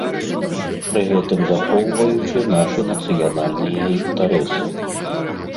Пры гэтым захоўваючы нашы нацыянальныя інтарэсы.